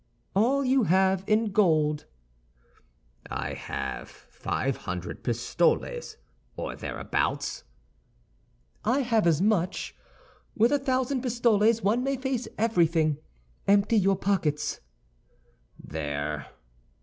"All you have in gold." "I have five hundred pistoles, or thereabouts." "I have as much. With a thousand pistoles one may face everything. Empty your pockets." "There."